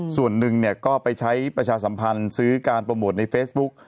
ส่วนหนึ่งก็ไปใช้ประชาสัมพันธ์ซื้อการโปรโมทในเฟซบุ๊ก